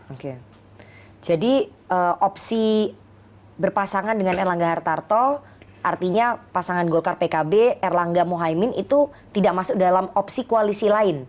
oke jadi opsi berpasangan dengan erlangga hartarto artinya pasangan golkar pkb erlangga mohaimin itu tidak masuk dalam opsi koalisi lain